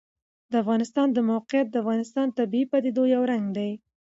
د افغانستان د موقعیت د افغانستان د طبیعي پدیدو یو رنګ دی.